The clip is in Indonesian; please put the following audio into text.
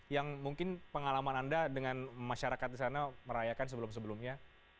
yang mungkin pengalaman anda dengan masyarakat di sana merayakan sebelum sebelumnya